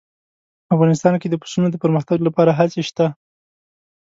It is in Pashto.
افغانستان کې د پسونو د پرمختګ لپاره هڅې شته.